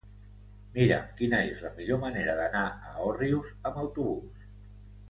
Mira'm quina és la millor manera d'anar a Òrrius amb autobús.